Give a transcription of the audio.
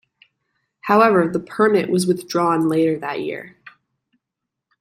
However, the permit was withdrawn later that year.